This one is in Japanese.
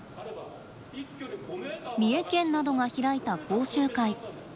三重県などが開いた講習会。